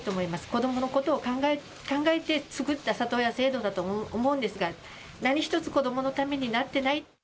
子どものことを考えて作った里親制度だと思うんですが何一つ子どものためになってない。